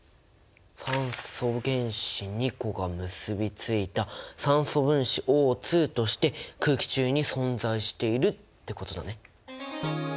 酸素原子２個が結びついた酸素分子Ｏとして空気中に存在しているってことだね！